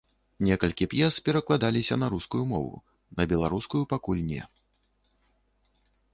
Некалькі п'ес перакладаліся на рускую мову, на беларускую пакуль не.